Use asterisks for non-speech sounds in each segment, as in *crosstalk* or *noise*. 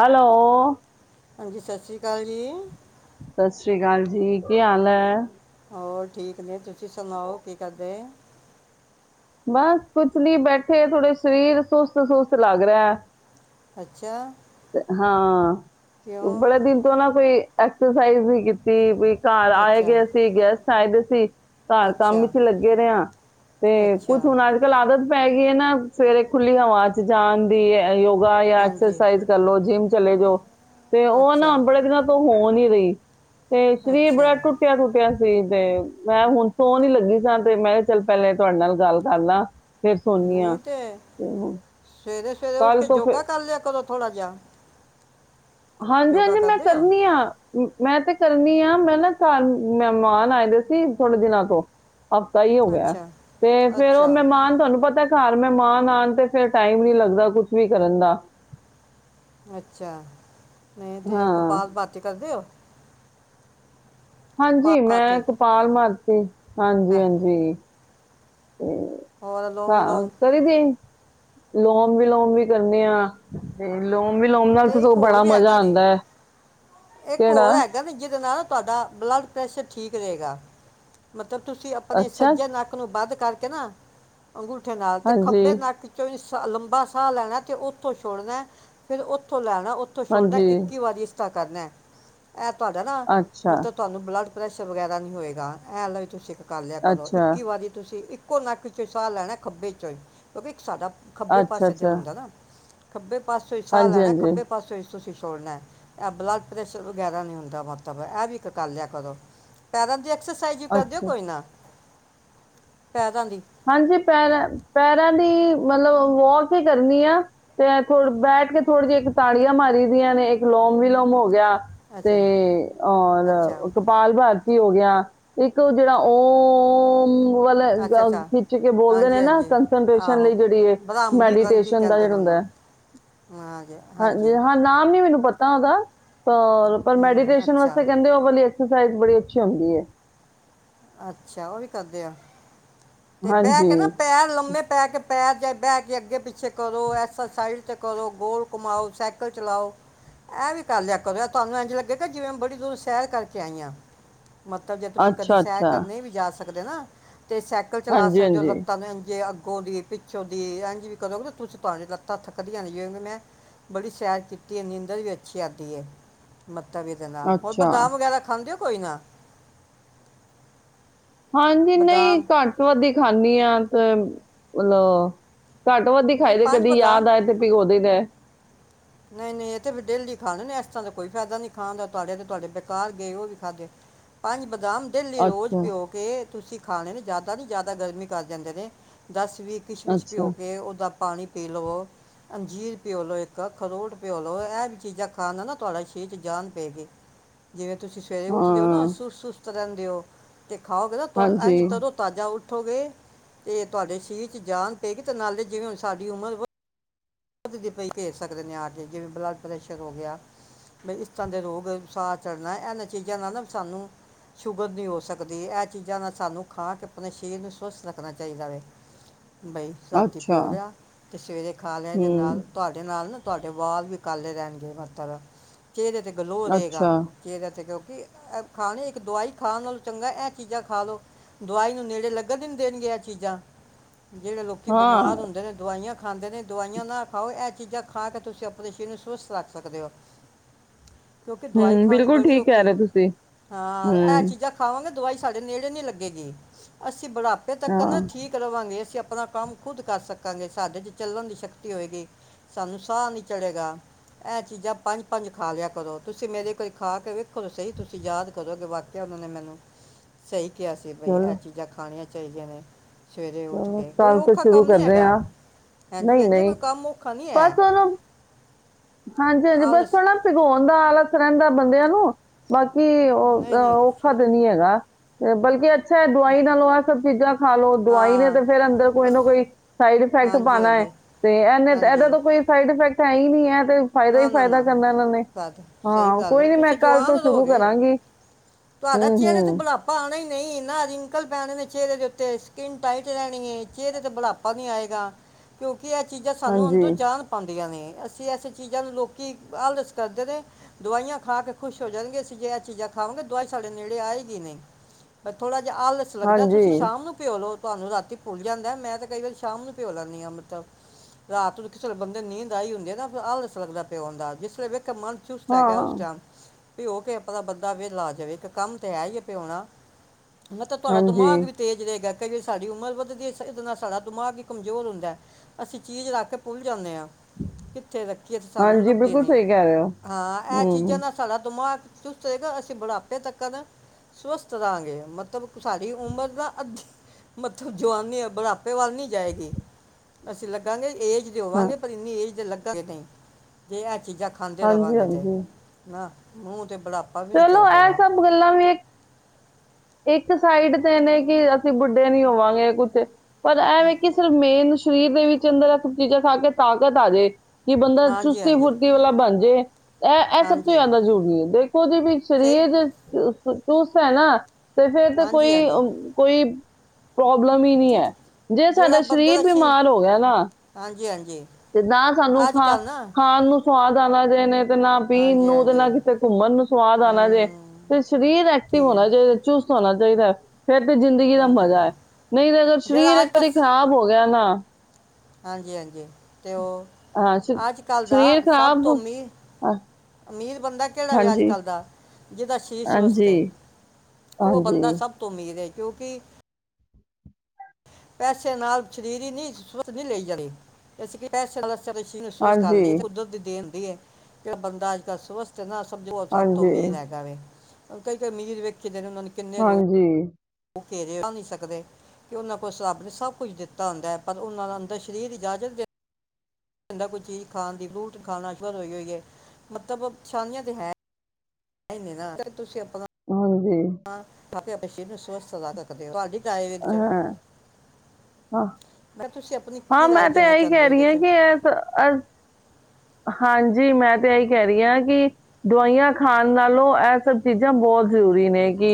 Hello. ਹਾਂਜੀ, ਸਸ ਸ੍ਰੀ ਕਾਲ ਜੀ। ਸਸ ਸ੍ਰੀ ਕਾਲ ਜੀ ਕੇ ਹਾਲ ਐ। ਹੋਰ ਠੀਕ ਨੇ ਤੁਸੀ ਸੁਨਾਓ ਕੀ ਕਰਦੇ। ਬਸ ਕੁਛ ਨੀ ਬੈਠੇ ਥੋੜੇ ਸਰੇਰ ਸੁਸਤ, ਸੁਸਤ ਲੱਗ ਰੇਐ। ਅੱਛਾ ਅ, ਹਾਂ, ਕਿਉਂ ਬੜੇ ਦਿਨ ਤੋਂ ਨਾ ਕੋਈ। ਐਕਸਰਸਾਈਜ਼ ਵੀ ਕੀਤੀ ਵੀ ਘਰ ਆਏ ਅੱਛਾ ਗੇ ਸੀ *unintelligible* ਸ਼ਾਇਦ ਅਸੀਂ ਘਰ ਕੰਮ ਅੱਛਾ ਵਿਚ ਲੱਗੇ ਰਹੇ ਆਂ ਤੇ ਅੱਛਾ ਕੁਛੁ ਹੁਣ ਅੱਜਕੱਲ ਆਦਤ। ਪੈ ਗਈ ਆ ਨਾ ਸਵੇਰੇ ਖੁੱਲੀ ਹਵਾ ਚ ਜਾਣ ਦੀ ਐ ਦੋ। *unintelligible* ਹਾਂਜੀ ਐਕਸਰਸਾਈ ਕਰਲੋ ਜਿੰਮ ਚਲੇ ਜਾਓ ਤੇ ਉਹ ਅੱਛਾ ਨਾ ਬੜੇ ਦਿਨਾਂ ਤੋਂ। ਹੋ ਨੀ ਰਹੀ। ਤੇ ਸਰੀਰ ਅੱਛਾ ਬੜਾ ਟੁੱਟਿਆ ਟੁੱਟਿਆ। ਸੀ ਤੇ ਮੈਂ ਹੁਣ ਸੋਣ ਈ ਲੱਗੀ ਸਾਂ ਤੇ ਮੈਂ ਚੱਲ ਪਹਿਲੇ ਤੁਹਾਡੇ ਨਾਲ ਗੱਲ ਕਰਲਾ। ਫਿਰ ਸੋਨੀ ਆਂ। ਨਹੀਂ ਤੇ ਸਵੇਰੇ ਸਵੇਰੇ ਉੱਠ ਕੇ ਜੋਗਾ ਕਰ ਲਿਆ ਕਰੋ ਥੋੜਾ ਜਿਹਾ। ਹਾਂਜੀ ਯੋਗਾ ਹਾਂਜੀ, ਮੈਂ ਕਰਦੇ ਹੋ ਕਰਨੀ ਆ। ਮੈਂ ਤੇ ਕਰਨੀ ਆ ਮੈਂ ਨਾ ਚਾਰ ਮਹਿਮਾਨ ਆਏ ਦੇ ਸੀ ਥੋੜੇ ਦਿਨਾਂ ਤੋਂ। ਹਫ਼ਤਾ ਹੀ ਹੋ ਗਿਆ ਅੱਛਾ ਤੇ ਫੇਰ ਉਹ ਅੱਛਾ ਮਹਿਮਾਨ ਤੁਹਾਨੂੰ ਪਤਾ ਘਰ ਮੈਂ ਮਹਿਮਾਨ ਆਣ ਤੇ ਫਿਰ ਟਾਈਮ ਨੀ ਲੱਗ ਦਾ ਕੁਛ ਵੀ ਕਰਨ ਦਾ। ਅੱਛਾ। ਨਹੀਂ ਤੇ ਹਾਂ ਕਪਾਲ ਭਾਤੀ ਕਰ ਦਿਓ। ਹਾਂਜੀ ਭਾਤੀ ਮੈਂ ਕਪਾਲ ਮਰਤੀ ਹਾਂਜੀ ਹਾਂ ਹਾਂਜੀ। ਹੋਰ ਅਲੋਮ ਹਾਂ ਵਿਲੋਮ ਕਰੀਦੀ। ਲੋਮ ਵਿਲੋਮ ਵੀ ਕਰਨੇ ਆ ਤੇ ਲੋਮ ਵੀਲੋਮ ਨਾਲ ਤੇ ਇੱਕ ਸਗੋਂ ਹੋਰ ਬੜਾ ਵੀ ਮਜ਼ਾ ਹੈਗਾ ਨੇ ਆਂਦਾ। ਇੱਕ ਕਿਹੜਾ ਹੋਰ ਹੈਗਾ ਨੀ ਜਿਹਦੇ ਨਾਲ ਤੁਹਾਡਾ ਬਲੱਡ ਪ੍ਰੈਸ਼ਰ ਠੀਕ ਰਹੇਗਾ ਮਤ ਤੇ ਤੁਸੀਂ ਆਪਣੇ ਅੱਛਾ ਸੱਜੇ ਨੱਕ ਨੂੰ ਵੱਧ ਕਰਕੇ ਨਾ ਅੰਗੂਠੇ ਨਾਲ ਤੇ ਹਾਂਜੀ ਖੱਬੇ ਨੱਕ ਚੋਂ ਲੰਬਾ ਸਾਹ ਲੈਣਾ ਤੇ ਉੱਥੋਂ ਛੋੜਨਾ ਫਿਰ ਉੱਥੋਂ ਲੈਣਾ। ਉੱਥੋ ਛੋੜਨਾ ਹਾਂਜੀ ਇੱਕੀ ਵਾਰੀ ਇਸ। *unintelligible* ਕਰਨਾ ਐ ਤੁਹਾਡਾ ਨਾ ਅੱਛਾ ਮਤਲਬ ਤੁਹਾਨੂੰ ਬਲੱਡ ਪ੍ਰੈਸ਼ਰ ਵਗੈਰਾ ਨੀ ਹੋਏਗਾ *unintelligible* ਕਰ ਲਿਆ ਕਰੋ ਅੱਛਾ ਇੱਕੀ ਵਾਰੀ ਤੁਸੀਂ ਇੱਕ ਕੋ ਨਾ ਕੁ ਸਾਹ ਲੈਣਾ ਖੱਬੇ ਚੋਂ ਹੀ ਕਿਉਂਕਿ ਇੱਕ ਸਾਡਾ ਖੱਬੇ ਅੱਛਾ ਪਾਸੇ ਅੱਛਾ ਜਲਉਦਾ ਨਾ ਖੱਬੇ ਪਾਸਿਓਂ ਈ ਸਾਹ ਹਾਂਜੀ, ਲੈਣਾ ਹਾਂਜੀ, ਖੱਬੇ ਪਾਸੇ ਤੁਸੀਂ ਸੋੜਨਾ ਇਹ ਬਲਾ ਪ੍ਰੈਸ਼ਰ ਵਗੈਰਾ ਨਹੀਂ ਹੁੰਦਾ ਮੱਤਵ ਇਹ ਵੀ ਇੱਕ ਗੱਲ ਆ ਕਰੋ ਪੈਰਾਂ ਦੀ ਐਕਸਰਸਾਈਜ਼ ਵੀ ਕਰ ਦਿਓ ਅੱਛਾ, ਕੋਈ ਨਾ ਪੈਰਾਂ ਦੀ ਹਾਂਜੀ ਪੈਰਾਂ ਪੈਰਾਂ ਦੀ ਮਤਲਬ ਵੋਕ ਹੀ ਕਰਨੀ ਆ ਤੇ ਥੋ ਬੈਠ ਕੇ ਥੋੜੇ ਜਿਹੀ ਇੱਕ ਤਾੜੀਆਂ ਮਾਰੀ ਦੀਆਂ ਨੇ ਇੱਕ ਲੋਮ ਵੀ ਲੋੋਮ ਹੋ ਗਿਆ ਤੇ ਅੱਛਾ ਅੱਛਾ ਔਰ ਕਪਾਲ ਭਾਰਤੀ ਹੋ ਗਿਆ ਇੱਕ ਜਿਹੜਾ ਓਮ ਅੱਛਾ ਵਾਲੇਗ ਅੱਛਾ ਖਿੱਚ ਕੇ ਬੋਲਦੇ ਹਾਂਜੀ ਨੇ ਨਾ ਹਾਂਜੀ ਕੰਸਨਟੇਸ਼ਨ ਲਈ ਆਹੋ ਜਿਹੜਾ ਬਦਾਮ ਦੀ ਪਤਾ ਨਹੀਂ ਕੀ ਮੈਡੀਟੇਸ਼ਨ ਦਾ ਕਹਿੰਦੇ ਜਿਹੜਾ ਨੇ ਹੁੰਦਾ ਉਹਨੂੰ ਹੈ ਹਾਂਜੀ ਹਾਂ ਨਾਮ ਨੀ ਮੈਨੂੰ ਪਤਾ *unintelligible* ਪਰ ਪਰ ਹੂੰ ਮੈਡੀਟੇਸ਼ਨ ਅੱਛਾ ਵਾਸਤੇ ਕਹਿੰਦੇ ਉਹ ਵਾਲੀ ਐਕਸਰਸਾਈਜ਼ ਬੜੀ ਅੱਛੀ ਹੁੰਦੀ ਹੈ ਅੱਛਾ ਉਹ ਵੀ ਕਰਦੇ ਆ ਤੇ ਬਹਿ ਹਾਂਜੀ ਕੇ ਨਾ ਪੈਰ ਲੰਮੇ ਪੈ ਕੇ ਪੈਰ ਬਹਿ ਕੇ ਅੱਗੇ ਪਿੱਛੇ ਕਰੋ ਐਸਲ ਸਾਈਡ ਤੇ ਕਰੋ ਗੋਲ ਕਮਾਓ ਸਾਈਕਲ ਚਲਾਓ ਇਹ ਵੀ ਕਰ ਲਿਆ ਕਰੋ ਤੁਹਾਨੂੰ ਇੰਝ ਲੱਗੇਗਾ ਜਿਵੇਂ ਬੜੀ ਦੂਰੋਂ ਸੈਰ ਕਰਕੇ ਆਈ ਹਾਂ ਅੱਛਾ ਅੱਛਾ ਜਾ ਸਕਦੇ ਨਾ ਤੇ ਸਾਈਕਲ ਚਲਾ ਹਾਂਜੀ ਸਕਦੇ ਹੋ ਹਾਂਜੀ ਲੱਤਾਂ ਨੂੰ ਜੇ ਗੋਂ ਦੀ ਪਿੱਛੋਂ ਦੀ ਲੱਤਾਂ ਥੱਕਦੀਆਂ ਨਹੀਂ ਜਿਂ ਮੈਂ ਬੜੀ ਸੈਰ ਕੀਤੀ ਨੀਂਦਰ ਵੀ ਅੱਛੀ ਆਦੀ ਹੈ ਤਵੀ ਦੇ ਨਾਲ ਹੋਰ ਅੱਛਾ ਬਦਾਮ ਵਗੈਰਾ ਖਾਂਦੇ ਹੋ ਕੋਈ ਨਾ ਹਾਂਜੀ ਨਹੀਂ ਬਦਾਮ ਘੱਟ ਵੱਧਦੀ ਖਾਂਦੀ ਆਂ *unintelligible* ਘੱਟ ਵੱਧਦੀ ਨਹੀਂ ਖਾਈ ਦੇ ਪੰਜ ਕਦੀ ਯਾਦ ਬਦਾਮ ਆਏ ਤੇ ਭਾਗੋ ਦੇਈਦ ਨਹੀਂ ਨਹੀਂ ਇਹ ਤੇ ਡੇਲੀ ਖਾਣੇ ਨੇ ਇਸ ਤਰ੍ਹਾਂ ਦਾ ਕੋਈ ਫਾਇਦਾ ਨੀ ਖਾਣ ਦਾ ਤੁਹਾਡੇ ਤੇ ਤੁਹਾਡੇ ਬੇਕਾਰ ਗਏ ਉਹ ਵੀ ਖਾਧ ਪੰਜ ਬਦਾਮ ਡਲੀ ਰੋਜ਼ ਅੱਛਾ ਭਿਓ ਕੇ ਤੁਸੀਂ ਖਾਣੇ ਨੂੰ ਜ਼ਿਆਦਾ ਨੀ ਜ਼ਿਆਦਾ ਗਰਮੀ ਕਰ ਜਾਂਦੇ ਨੇ ਦਸ ਵੀ ਕਿਸ਼ਮਿਸ਼ ਭਿਓ ਅੱਛਾ ਕੇ ਉਹਦਾ ਪਾਣੀ ਪੀ ਲਵੋ ਅੰਜੀਰ ਪੀ ਲਉ ਇੱਕ ਖਰੋਟ ਪਿਓ ਲਓ ਇਹ ਵੀ ਚੀਜ਼ਾਂ ਖਾਣ ਨਾਲ ਨਾ ਤੁਹਾਡਾ ਸਰੀਰ ਚ ਜਾਣ ਪੈ ਗ ਜਿਵੇਂ ਤੁਸੀਂ ਸਵੇਰੇ ਉੱਠਦੇ ਨਾ ਹਾਂ ਸੁ ਸੁੂਤ ਰਹਿੰਦਿਓ ਤੇ ਖਾਓਗੇ ਨਾ ਹਾਂਜੀ ਇਂਜ ਤਦੋਂ ਤਾਜ਼ਾ ਉ ਉੱਠੋ ਗੇ ਤੇ ਤੁਹਾਡੇ ਸਰੀਰ ਚ ਜਾਨ ਪਏਗੀ ਤੇ ਨਾਲੇ ਜਿਵੇਂ ਹੁਣ ਸਾਡੀ ਉਮਰ ਵ ਧ ਦੀ ਪਈ ਘੇਰ ਸਕਦੇ ਨੇ ਆ ਕੇ ਜਿਵੇਂ ਬਲੱਡ ਪ੍ਰੈਸ਼ਰ ਹੋ ਗਿਆ ਇਸ ਤਰ੍ਹਾਂ ਦੇ ਰੋਗਸਾਰ ਚੜ੍ਹਨਾ ਇਹਨਾਂ ਚੀਜ਼ਾਂ ਨਾਲ ਨਾ ਸਾਨੂੰ ਸ਼ੂਗਰ ਨਹੀਂ ਹੋ ਸਕਦੀ ਇਹ ਚੀਜ਼ਾਂ ਨਾਲ ਸਾਨੂੰ ਖਾ ਕੇ ਆਪਣੇ ਸਰੀਰ ਨੂੰ ਸਵਸਥ ਰੱਖਣਾ ਚਾਹੀਦਾ ਵ ਬਈ ਰਾਤੀ ਅੱਛਾ ਭਿਓ ਲਿਆ ਤੇ ਸਵੇਰੇ ਖਾ ਲਿਆ ਹੂੰ ਨਾਲ ਤੁਹਾਡੇ ਨਾਲ ਨਾ ਤੁਹਾਡੇ ਵਾਲ ਵਿੱਚ ਕਾਲੇ ਰਹਿਣਗੇ ਮਤਰ ਚੇਰੇ ਤੇ ਗਲੋ ਰਹੇਗਾ ਅੱਛਾ ਚੇਹਰਿਆਂ ਤੇ *unintelligible* ਇੱਕ ਦਵਾਈ ਖਾਣ ਨਾਲ ਚੰਗਾ ਇਹ ਚੀਜ਼ਾਂ ਖਾ ਲਓ ਦਵਾਈ ਨੂੰ ਨੇੜੇ ਲੱਗਣ ਨਹੀਂ ਦੇਣਗੀਆਂ ਚੀਜ਼ਾਂ ਜੇੜ੍ਹੇ ਲੋਕੀ ਹਾਂ ਬਿਮਾਰ ਹੁੰਦੇ ਨੇ ਦਵਾਈਆਂ ਖਾਂਦੇ ਨੇ ਦਵਾਈਆਂ ਨਾ ਖਾਓ ਇਹ ਚੀਜ਼ਾਂ ਖਾ ਕੇ ਤੁਸੀਂ ਆਪਣੇ ਸਰੀਰ ਨੂੰ ਸਵੱਸਥ ਰੱਖ ਸਕਦੇ ਓ ਕਿਉਂਕਿ ਦਵਾਈ ਹੂੰ ਖਾਣੀ ਬਿਲਕੁਲ ਬੜੀ ਠੀਕ ਕਹਿ ਔਖੀ ਰਹੇ ਤੁਸੀਂ ਹਾਂ ਇਹ ਹੂੰ ਚੀਜ਼ਾਂ ਖਾਵਾਂਗੇ ਦਵਾਈ ਸਾਡੇ ਨੇੜੇ ਨੀ ਲੱਗੇ ਗੀ ਅਸੀਂ ਅਸੀ ਬੁਢਾਪੇ ਤੱਕ ਨਾ ਹਾਂ ਠੀਕ ਰਵਾਂਗੇ ਅਸੀਂ ਆ ਆਪਣਾ ਕੰਮ ਖੁਦ ਕਰ ਸਕਾਂਗੇ ਸਾਡੇ ਚ ਚੱਲਣ ਦੀ ਸ਼ਕ ਤੀ ਹੋਏਗੀ ਸਾਨੂੰ ਸਾਹ ਨੀ ਚਲੇੇਗਾ ਇਹ ਚੀਜ਼ਾਂ ਪੰਜ ਪੰਜ ਖਾ ਲਿਆ ਕਰੋ ਤੁਸੀਂ ਮੇਰੇ ਕਹੇ ਖਾ ਕੇ ਵੇਖੋ ਤੇ ਸਹੀ ਤੁਸੀਂ ਯਾਦ ਕਰੋਗੇ ਵਾਕਿਆ ਉਹਨਾਂ ਨੇ ਮੈਨੂੰ ਸਹੀ ਕਿਆ ਸੀ ਬਈ ਚਲੋ ਇਹ ਚੀਜ਼ਾਂ ਖਾਣੀਆਂ ਚਾਈਦੀਆਂ ਨੇ ਸਵੇਰੇ ਉੱਠ ਚਲੋ ਕੇ ਕੋਈ ਕੱਲ ਤੋਂ ਔਖਾ ਸ਼ੁਰੂ ਕੰਮ ਨਹੀਂ ਕਰਦੇ ਹੈਗਾ ਹਾਂ ਨਹੀਂ ਹਂਜੀ-ਹਂਜੀ ਨਹੀਂ ਕੋਈ ਕੰਮ ਔਖਾ ਨਹੀਂ ਬਸ ਹੈ ਉਹਨੂੰ ਹਾਂਜੀ-ਹਾਂਜੀ ਬਸ ਆਲਸ ਥੋੜ੍ਹਾ ਭਿਗੋਓਣ ਦਾ ਆਲਸ ਰਹਿੰਦਾ ਬੰਦਿਆਂ ਨੂੰ ਬਾਕੀ ਓ ਨਹੀਂ ਨਹੀਂ ਔਖਾ ਤੇ ਨੀ ਹੈਗਾ। ਬਲਕਿ ਅੱਛੈ ਦਵਾਈ ਨਾਲ ਆਹ ਸਭ ਚੀਜ਼ਾਂ ਖਾ ਲੋ ਦਵਾਈ ਨੇ ਹਾਂ ਤੇ ਫਿਰ ਅੰਦਰ ਕੋਈ ਨਾ ਕੋਈ ਇਸ- ਸਾਈਡ ਇਫੈਕਟ ਹਾਂਜੀ *unintelligible* ਏ ਹਾਂਜੀ ਤੇ ਇਹਨੇ ਇਹਦਾ ਤਾਂ ਕੋਈ ਸਾਈਡ ਫੈਕਟ ਹੈ ਈ ਨੀ ਐ ਨਾ-ਨਾ-ਨਾ *unintelligible* ਸਹੀ ਹਾਂ ਗੱਲ ਕੋਈ ਐ ਨਹੀਂ ਮੈਂ ਤੁਸੀਂ ਕੱਲ ਤੋਂ ਜਵਾਨ ਸ਼ੁਰੂ ਕਰਾਂਗੀ *unintelligible* ਤੁਹਾਡਾ ਹੂੰ ਚਿਹਰੇ ਤੇ ਹੂੰ ਬੁਢਾਪਾ ਆਉਣਾ ਈ ਨਹੀਂ ਨਾ ਰਿੰਕਲ ਪੈਣੇ ਨੇ ਚਿਹਰੇ *unintelligible* ਤੇ ਸਕਿਨ ਟਾਈਟ ਰਹਿਣੀ ਐ ਚਿਹਰੇ ਤੇ ਬੁਢਾਪਾ ਨੀ ਆਏਗਾ ਕਿਉਂ ਕਿ ਇਹ ਚੀਜ਼ਾਂ ਸਾਨੂੰ ਅੰਦਰੋਂ ਹਾਂਜੀ ਜਾਨ ਪਾਉਂ ਦੀਆਂ ਨੇ ਅਸੀਂ *unintelligible* *unintelligible* ਚੀਜਾਂ ਨੂੰ ਲੋਕੀ ਆਲਸ ਕਰਦੇ ਨੇ ਦਵਾਈਆਂ ਖਾ ਕੇ ਖੁਸ਼ ਹੋ ਜਾਣਗੇ ਅਸੀ ਜੇ ਐ ਚੀਜਾਂ ਖਾਵਾਗੇ ਦਵਾਈ ਸਾਡੇ ਨੇੜੇ ਆਏਗੀ ਨੀ ਬ ਥੋੜਾ ਜਾ ਆਲਸ ਲੱਗਦਾ ਹਾਂਜੀ ਤੁਸੀਂ ਸ਼ਾਮ ਨੂੰ ਪਿਓ ਲੋ ਤੁਹਾਨੂੰ ਰਾਤੀ ਭੁੱਲ ਜਾਂਦਾ ਮੈਂ ਤੇ ਕਈ ਵਾਰੀ ਸ਼ਾਮ ਨੂੰ ਭਿਓ ਲੈਂਨੀ ਆ *unintelligible* ਰਾਤ ਦੇਖ ਚਲੋ ਬੰਦੇ ਨੀਂਦ ਆਈ ਹੁੰਦੀ ਆ ਨਾ *unintelligible* ਲੱਗਦਾ *unintelligible* ਮਨ ਚੁਸਤ ਹੈਗਾ ਉਸ ਹਾਂ ਟਾਈਮ ਪਿਯੋ ਕੇ *unintelligible* ਬੰਦਾ ਵੇਲਾ ਜਾਵੇ ਇੱਕ ਕੰਮ ਤੇ ਹੈ ਹੀ ਐ ਪਿਓਣਾ। ਮ ਤਾਂ ਤੁਹਾਡਾ ਹਾਂਜੀ ਦਿਮਾਗ ਵੀ ਤੇਜ਼ ਰਹੇਗਾ ਕਈ ਵਾਰ ਸਾਡੀ ਉਮਰ ਵੱਧਦੀ ਐ ਇਹਦੇ ਨਾਲ਼ ਸਾਡਾ ਦਿਮਾਗ ਹੀ ਕਮਜ਼ੋਰ ਹੁੰਦੈ ਅਸੀਂ ਚੀਜ਼ ਰੱਖ ਕੇ ਭੁੱਲ ਜਾਂਨੇ ਐ ਕਿੱਥੇ ਰੱਖ ਕਿ ਸਾਨੂੰ ਹਾਂਜੀ ਲੱਭਦੇ ਬਿਲਕੁਲ ਨਈ। ਸਹੀ ਕਹਿ ਰਹੇ ਹੋ ਹਾਂ ਐ ਚੀਜ਼ਾਂ ਹੂੰ ਨਾ ਸਾਡਾ ਦਿਮਾਗ ਚੁਸਤ ਰਹੇਗਾ ਅਸੀਂ ਬੁਢਾਪੇ ਤੱਕਨ ਸਵਸਥ ਰਹਾਂਗੇ ਮਤਲਬ ਸਾਡੀ ਉਮਰ ਦਾ ਅੱਧੀ ਮਤਲਬ ਜਵਾਨੀ ਬੁਢਾਪੇ ਵੱਲ ਨੀ ਜਾਏਗੀ ਅਸੀਂ ਲੱਗਾਂਗੇ ਏਜ ਦੇ ਹਾਂ ਹੋਵਾਂਗੇ ਪਰ ਇੰਨੀ ਏਜ ਦੇ ਲੱਗ ਨਹੀਂ ਜੇ ਅੱਜ ਚੀਜ਼ਾਂ ਖਾਂਦੇ ਹਾਂਜੀ ਰਵਾਂਗੇ ਤੇ ਹਾਂਜੀ ਮੂੰ ਚਲੋ ਐ ਸਭ ਗੱਲਾਂ ਵੀ ਇੱਕ ਇੱਕ ਇੱਕ ਸਾਈਡ ਤੇ ਨੇ ਕਿ ਅਸੀਂ ਬੁੱਢੇ ਨੀ ਹੋਵਾਂਗੇ ਕੁੱਛ ਪਰ ਇਹਵੇ ਕਿ ਸਿਰਫ ਮੇਨ ਸਰੀਰ ਦੇ ਵਿੱਚ ਅੰਦਰ ਇਹ ਸਭ ਚੀਜ਼ਾਂ ਖਾ ਕੇ ਤਾਕਤ ਆ ਜੇ ਕਿ ਬੰਦਾ ਹਾਂਜੀ ਚੁਸਤੀ ਹਾਂਜੀ ਫੁਰਤੀ ਵਾਲਾ ਬਣ ਜੇ ਇਹ ਇਹ ਸਭ ਤੋਂ ਹਾਂਜੀ ਜ਼ਿਆਦਾ ਜ਼ਰੂਰੀ ਏ ਦੇਖ ਵੀ ਸਹੀ ਸ਼ਰੀਰ ਤੂੰ ਸੈ ਨਾ ਤੇ ਫਿਰ ਤੇ ਹਾਂਜੀ ਕੋਈ ਹਾਂਜੀ ਕੋਈ ਪ੍ਰੋਬਲਮ ਹੀ ਨੀ ਜਿ- ਹੈ ਜੇ ਜਿਹੜਾ ਸਾਡਾ ਬੰਦੇ ਸਰੀਰ ਦਾ ਸੀ ਬਿਮਾਰ ਹੋ ਗਿਆ ਨਾ ਹਾਂਜੀ ਹਾਂਜੀ ਤੇ ਨਾ ਸਾਨੂੰ ਅੱਜ ਖਾ ਕੱਲ ਨਾ ਖਾਣ ਨੂੰ ਸੁਆਦ ਆਨਾ ਜੇ ਨੇ ਤੇ ਨਾ ਪੀਣ ਹਾਂਜੀ ਨੂੰ ਤੇ ਹਾਂਜੀ ਨਾ ਕਿਤੇ ਘੁੰਮਣ ਨੂੰ ਆਣਾ ਜੇ ਹੂੰ ਤੇ ਸਰੀਰ ਐਕਟਿਵ ਠੀਕ ਹੈ ਹੋਣਾ ਜੇ ਚੁਸਤ ਹੋਣਾ ਚਾਹੀਦੈ ਫਿਰ ਤੇ ਜ਼ਿੰਦਗੀ ਦਾ ਹਾਂਜੀ ਮਜ਼ਾ ਏ ਨਹੀਂ ਤੇ ਅਗਰ ਸ਼ਰੀਰ ਜਿਹੜਾ ਅੱਜ ਇੱਕ ਅਰੀ ਕੱਲ੍ਹ ਖ਼ਰਾਬ ਹੋ ਗਿਆ ਨਾ *inaudible* ਹਾਂਜੀ ਹਾਂਜੀ ਤੇ ਉਹ ਹਾਂ ਸ਼- ਅੱਜ ਕੱਲ ਦਾ ਸਰੀਰ ਸਭ ਖਰਾਬ ਤੋਂ ਹੋ- ਅਮੀ ਅ, ਅਮੀਰ ਬੰਦਾ ਕਿਹੜਾ ਵ ਅੱਜ ਹਾਂਜੀ ਕੱਲ ਦਾ ਜਿਹਦਾ ਸ਼ਰੀਰ ਸਵਸਥ ਹਾਂਜੀ ਏ ਉਹ ਹਾਂਜੀ ਬੰਦਾ ਸਭ ਤੋਂ ਅਮੀਰ ਏ ਕਿਉਂਕਿ ਪੈਸੇ ਨਾਲ ਸ਼ਰੀਰ ਈ ਨੀ *unintelligible* ਨਹੀਂ ਲਈ ਜਾਣੀ ਇਸ ਪੈਸੇ ਚਲੀ *unintelligible* ਕਰ ਹਾਂਜੀ ਲਈ ਕੁਦਰਤ ਦੀ ਦੇਣ ਜਿਹੜਾ ਬੰਦਾ ਅੱਜ ਕੱਲ੍ਹ ਸਵਸਥ ਤੇ ਨਾ ਸਮਝੋ ਓ ਸਭ ਤੋ ਅਮੀਰ ਹਾਂਜੀ ਹੈਗਾ ਵੇ ਕਈ ਕ ਅਮੀਰ ਵੇਖ ਦਿ ਨੇ ਉਹਨਾਂ ਨੇ ਕਿੰਨੇ ਰੋ ਹਾਂਜੀ ਉਹ ਘੇਰੇ ਨਹੀਂ ਸਕਦੇ ਕਿ ਉਹਨਾਂ ਕੋਲ ਸ ਰੱਬ ਨੇ ਸਭ ਕੁਝ ਦਿੱਤਾ ਹੁੰਦੈ ਪਰ ਉਹਨਾਂ ਦਾ ਅੰਦਰ ਸ਼ਰੀਰ ਇਜਾਜ਼ਤ ਦੇ ਦਾ ਕੋਈ ਚੀਜ਼ ਖਾਣ ਦੀ ਫਰੂਟ ਖਾਣਾ ਸ਼ਵ ਹੋਈ ਹੋਈ ਏ ਮਤਲਬ ਪਰੇਸ਼ਾਨੀਆਂ ਤੇ ਹੈ *unintelligible* ਤੁਸੀਂ ਆਪਣਾ ਹੂੰ। *unintelligible* ਆਪਣੇ ਸਰੀਰ ਨੂੰ ਸਵੱਸਥ ਹਾਂ ਹਾਂ *unintelligible* *unintelligible* ਹਾਂ, ਮੈਂ ਤੇ ਇਹੀ ਕਹਿ ਰਹੀ ਹਾਂ ਕਿ ਏ ਹਾਂਜੀ, ਮੈਂ ਤੇ ਇਹੀ ਕਹਿ ਰਹੀ ਆ ਕਿ ਦਵਾਈਆਂ ਖਾਣ ਨਾਲੋਂ ਇਹ ਸਭ ਚੀਜ਼ਾਂ ਬਹੁਤ ਜ਼ਰੂਰੀ ਨੇ ਕਿ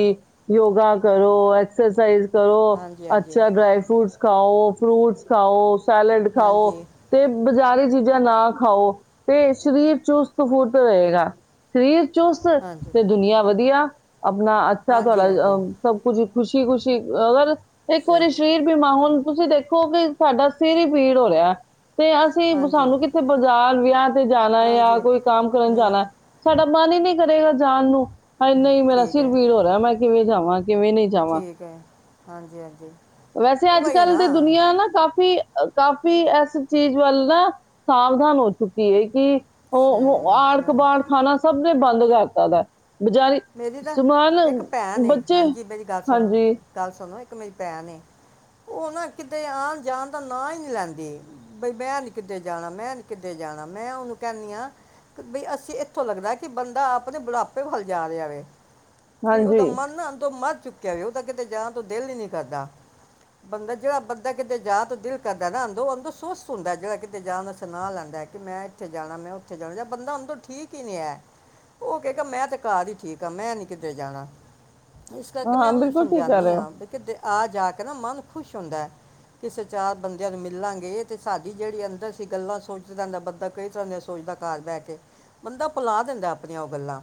ਯੋਗਾ ਕਰੋ ਐਕਸਰਸਾਈਜ਼। ਕਰੋ ਹਾਂਜੀ ਹਾਂਜੀ ਅੱਛਾ ਡਰਾਈ ਫਰੂਟਸ ਖਾਓ। ਫਰੂਟਸ ਖਾਓ। ਸੈਲਡ ਖਾਓ ਹਾਂਜੀ ਤੇ ਬਜ਼ਾਰੀਚੀਜ਼ਾਂ ਜਾਂ ਨਾ ਖਾਓ। ਤੇ ਸਰੀਰ ਚ *unintelligible* ਚੁਸਤ ਹਾਂਜੀ ਤੇ ਦੁਨੀਆਂ ਵਧੀਆ। ਆਪਣਾ ਅੱਛਾ ਹਾਂਜੀ ਤੁਹਾਡਾ ਅ ਹਾਂਜੀ ਸਭ ਕੁਛ। ਖੁਸ਼ੀ ਖੁਸ਼ੀ ਅਗਰ ਇੱਕ ਸਹੀ ਵਾਰੀ ਸਰੀਰ ਬੀਮਾ ਹੁਣ ਤੁਸੀਂ ਦੇਖੋ ਕਿ ਸਾਡਾ ਸਿਰ ਹੀ ਪੀੜ ਹੋ ਰਿਹਾ। ਤੇ ਅਸੀਂ ਹਾਂਜੀ ਸਾਨੂੰ ਕਿੱਥੇ ਬਾਜ਼ਾਰ ਵੀ ਤੇ ਜਾਣਾ ਜਾਂ ਹਾਂਜੀ ਕੋਈ ਕੰਮ ਕਰਨ ਜਾਣਾ ਹੂੰ ਸਾਡਾ ਮਨ ਜੀ ਨੀ ਕਰੇਗਾ ਜਾਣ ਨੂੰ। ਹਾਏ ਨਹੀਂ ਮੇਰਾ ਠੀਕ ਸਿਰ ਹੈ ਪੀੜ ਹੋ ਰਿਹਾ ਮੈਂ ਕਿਵੇਂ ਜਾਵਾਂ? ਕਿਵੇਂ ਨਹੀਂ ਜਾਵਾਂ। ਠੀਕ ਹੈ ਹਾਂਜੀ, ਹਾਂਜੀ। ਵੈਸੇ ਉਹ ਅੱਜ- ਵਈ ਕੱਲ ਨਾ ਤੇ ਦੁਨੀਆਂ ਨਾ ਕਾਫ਼ੀ ਕਾਫ਼ੀ ਏਸ ਚੀਜ਼ ਵੱਲ ਨਾ, ਸਾਵਧਾਨ ਹੋ ਚੁੱਕੀ ਹੈ ਕਿ ਓਅ ਸ- ਓ ਸ- ਆੜ-ਕਬਾੜ ਖਾਨਾ ਸਬ ਸਬ ਨੇ ਬੰਦ ਕਰਤਾ ਦਾ *unintelligible* ਮੇਰੀ ਨਾ, ਸਮਾਨ ਇੱਕ ਭੈਨ ਏ ਬੱਚੇ ਹਾਂਜੀ ਮੇਰੀ ਗੱਲ ਸੁਣੋ ਹਾਂਜੀ ਗੱਲ ਸੁਨੋ *unintelligible* ਇਕ ਮੇਰੀ ਭੈਨ ਏ, ਓ ਨਾ ਕਿਤੇ ਆਨ- ਜਾਨ ਦਾ ਨਾ ਈ ਨੀ ਲੈਂਦੀ। ਬਈ ਮੈਂ ਨੀ ਕਿਤੇ ਜਾਣਾ, ਮੈਂ ਨੀ ਕਿਤੇ ਜਾਣਾ ਮੈਂ ਓਨੂੰ ਕੈਨੀ ਆ, ਬਈ ਅਸੀਂ ਏਥੋ ਲੱਗਦਾ ਏ, ਕਿ ਬੰਦਾ ਆਪਦੇ ਬੁੜਾਪੇ ਵੱਲ ਜਾ ਰਿਆ ਵੇ। ਕਿ ਹਾਂਜੀ ਓਦਾ ਮਨ ਨਾ *unintelligible* ਓਦਾ ਕਿਤੇ ਜਾਨਦਾ ਦਿਲ ਇ ਨਈ ਕਰਦਾ, ਬੰਦਾ ਜੇੜਾ ਬੰਦਾ ਕਿਤੇ *unintelligible* ਸੁਸਤ ਹੁੰਦੈ‌, ਜੇੜਾ ਕਿਤੇ ਜਾਨ ਆਸਤੇ ਨਾ ਲੈਂਦੈ, ਕਿ ਮੈ ਏਥੇ ਜਾਣਾ, ਮੈਂ ਓਥੇ ਜਾਣਾ ਜਬ ਬੰਦਾ ਅੰਦਰੋ ਠੀਕ ਈ ਨੀ ਐ ਓ ਕਏਗਾ ਮੈ ਤੇ ਘਾਰ ਈ ਠੀਕ ਆ ਮੈਂ ਨੀ ਕਿਧਰੇ ਜਾਣਾ। ਇਸ ਕਰਕੇ ਮੈਂ ਹਾਂ ਓਨੂ ਬਿਲਕੁਲ ਠੀਕ ਕਰ ਸਮਜਾਨੀ ਰਹੇ ਹੋ ਆਂ *unintelligible* ਆ- ਜਾ ਕੇ ਨਾ, ਮਨ ਖੁਸ਼ ਹੁੰਦੈ। ਕਿਸੇ ਚਾਰ ਬੰਦੇਆਂ ਨੂੰ ਮਿਲਾਂਗੇ, ਤੇ ਸਾਡੀ ਜੇਅੜੀ ਅੰਦਰ ਸੀ ਗੱਲਾਂ *unintelligible* ਬੰਦਾ ਕਈ ਤਰਾਂ ਦੀਆਂ ਸੋਚਦਾ ਘਾਰ ਬੈਅ ਕੇ ਬੰਦਾ ਭੁਲਾ ਦਿੰਦਾ ਆਪਨੀਆਂ ਓਅ ਗੱਲਾਂ।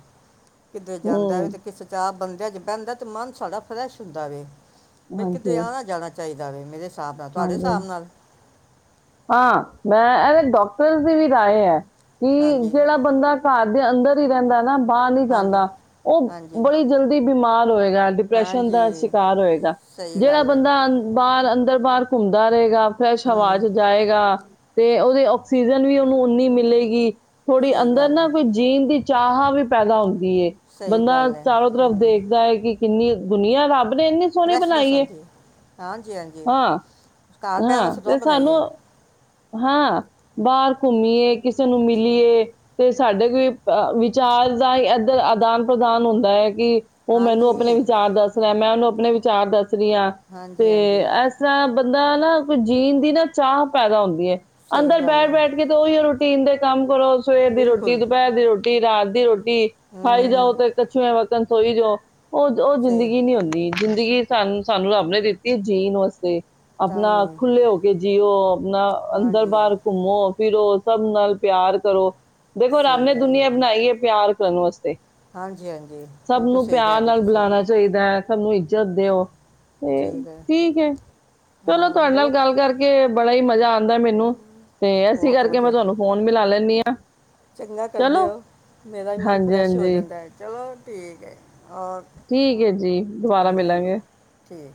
ਕਿਧਰੇ ਜਾਂਦਾ ਵੇ ਹੂੰ ਤੇ ਕਿਸੇ ਚਾਰ *unintelligible* ਜਦ ਬੈਂਦੈ ਤੇ ਮਨ ਸਾਡਾ ਫ੍ਰੈਸ਼ ਹੁੰਦਾ ਵੇ। ਬਈ ਕਿਤੇ ਹਾਂਜੀ ਆਣਾ- ਜਾਣਾ ਚਾਈਦੈ। *unintelligible* ਹਾਂਜੀ, ਹਾਂ ਮੈਂ ਡੋਕਟਰਸ ਦੀ ਵੀ ਰਾਏ ਐ। ਕਿ ਹਾਂਜੀ ਜੇੜਾ ਬੰਦਾ ਘਾਰ *unintelligible* ਅੰਦਰ ਈ ਰੈਂਦਾ ਏ ਨਾ ਬਾਹਰ ਨਈ ਹਾਂਜੀ ਜਾਂਦਾ ਓਅ ਹਾਂਜੀ ਬੜੀ ਜਲਦੀ ਬਿਮਾਰ ਹੋਏ ਡਿਪਰੈਸ਼ਨ ਦਾ ਹਾਂਜੀ ਸ਼ਿਕਾਰ ਹੋਏਗਾ, ਸਹੀ ਜਿਹੜਾ ਗੱਲ ਹੈ ਬੰਦਾ ਅੰ ਬਾਰ ਅੰਦਰ- ਬਾਹਰ ਘੁੰਮਦਾ ਰਏਗਾ ਫ੍ਰੇਸ਼ ਹਵਾ ਹੂੰ ਚ ਜਾਏਗਾ ਤੇ ਓਦੇ ਆੱਕਸੀਜ਼ਨ ਵੀ ਓਨੂੰ ਓਨੀ ਮਿਲੇਗੀ ਥੋੜੀ ਸਹੀ ਅੰਦਰ ਗੱਲ ਨਾ ਹੈ ਕੋਈ ਜੀਨ ਦੀ ਚਾਹ ਵੀ ਪੈਦਾ ਹੋਊ ਕੀ ਏ, ਸਹੀ ਬੰਦਾ ਗੱਲ ਹੈ ਚਾਰੋ ਤਰਫ਼ ਹੂੰ ਦੇਖਦਾ ਏ ਕਿ ਕਿੰਨੀ ਦੁਨੀਆਂ ਰੱਬ *unintelligible* ਏਨੀ ਸੋਨੀ ਫਰੈਸ਼ਨੈਸ ਬਨਾਈ ਏ। ਆਉਂਦੀ ਹੈ ਹਾਂਜੀ ਹਾਂਜੀ ਆਂ ਘਰ ਬਹਿਣ ਹਾਂ ਵਾਸਤੇ ਦੁਆ ਤੇ ਸ੍ਹਾਨੂ ਬਣਾਈਏ ਹਾਂ ਬਾਹਰ ਘੁੰਮੀਏ ਕਿਸੇ ਨੂੰ ਮਿਲੀਏ ਤੇ ਸਾਡੇ ਕੋ ਵਿਚਾਰ ਦਾ ਹੀ ਇੱਧਰ ਆਦਾਨ ਪ੍ਰਦਾਨ ਹੁੰਦਾ ਹੈ ਕਿ ਉਹ ਮੈਨੂੰ ਹਾਂਜੀ ਆਪਣੇ ਵਿਚਾਰ ਦੱਸ ਰਿਹਾ ਮੈਂ ਉਹਨੂੰ ਆਪਣੇ ਵਿਚਾਰ ਦੱਸ *unintelligible* ਹਾਂਜੀ ਹਾਂਜੀ ਐਸ ਤਰਾਂ ਬੰਦਾ ਨਾ ਕੋਈ ਜੀਣ ਦੀ ਨਾ ਚਾਹ ਪੈਦਾ ਹੁੰਦੀ ਹੈ ਸਹੀ ਅੰਦਰ ਗੱਲ ਬੈਠ ਹੈ ਬੈਠ ਕੇ ਤੇ ਉਹੀ ਹੈ ਰੋਟੀ ਪੀਣ ਦੇ ਕੰਮ ਕੋਲੋਂ ਸਵੇਰ ਦੀ ਰੋਟੀ, ਬਿਲਕੁਲ ਦੁਪਹਿਰ ਦੀ ਰੋਟ ਟੀ, ਰਾਤ ਦੀ ਰੋਟੀ ਟੀ ਖਾਈ ਜਾਓ ਹੂੰ ਤੇ ਕੱਛੂ ਵਾ ਤਨਸੋਈ ਜੋ ਉਹ ਉਹ ਸਹੀ ਜ਼ਿੰਦਗੀ ਨੀ ਹੁੰਦੀ ਜ਼ਿੰਦਗੀ ਸਾਨੂੰ ਸਾਨੂੰ ਰੱਬ ਨੇ ਦਿੱਤੀ ਜੀਣ ਵਾਸਤੇ ਤਾਂ ਆਪਣਾ ਹੀ ਖੁੱਲੇ ਹੋ ਕੇ ਜੀਅ ਈਓ ਨਾ ਅੰਦਰ ਹਾਂਜੀ ਹਾਂਜੀ, ਬਾਹਰ ਘੁੰਮੋ ਫਿਰੋ ਸਭ ਨਾਲ ਪਿਆਰ ਕਰੋ ਦੇਖੋ ਰੱਬ ਸਹੀ ਨੇ ਗੱਲ ਹੈ ਦੁਨੀਆਂ ਬਨਾਈ ਐ ਪਿਆਰ ਕਰਨ ਵਸਤੇ ਹਾਂਜੀ, ਹਾਂਜੀ, ਬਿਲਕੁਲ ਸਈ ਕੈ ਰੇ ਓ ਤੁਸੀ। ਸਬ ਨੂੰ ਇੱਜਤ ਦਿਓ ਹੂ, ਹੈ ਠੀਕ ਏ। ਚਲੋ ਹਾਂ ਤੁਆਡ ਨਾਲ ਬਹੁਤ ਗੱਲ ਕਰਕੇ ਬੜਾ ਈ ਮਜ਼ਾ ਆ ਦਾ ਮੇਨੂੰ‍, ਤੇ ਐਸੇ ਬਹੁਤ ਕਰਕੇ ਮੈਂ ਵਧੀਆ ਤੁਹਾਨੂੰ ਫੋਨ ਮਿਲਾ ਲੈਨੀ ਆ ਚੰਗਾ ਕਰਦੇ ਚਲੋ ਓ, ਮੇਰਾ ਵੀ ਮਨ ਹਾਂਜੀ ਫਰੈਸ਼ ਹੋ ਹਾਂਜੀ ਜਾਂਦਾ ਐ, ਚਲੋ ਠੀਕ ਐ। ਠੀਕ ਐ ਜੀ ਦੋਬਾਰਾ ਹਾਂਜੀ ਮਿਲਾਂਗੇ। ਠੀਕ